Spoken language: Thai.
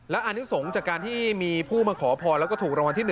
และอานิสงฆ์จากการที่มีผู้มาขอพรแล้วก็ถูกรางวัลที่๑